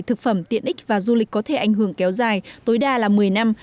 thực phẩm tiện ích và du lịch có thể ảnh hưởng kéo dài tối đa là một mươi năm